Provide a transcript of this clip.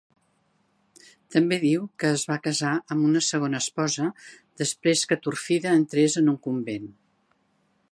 També diu que es va casar amb una segona esposa després que Turfida entrés en un convent.